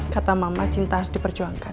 kata mama cinta harus diperjuangkan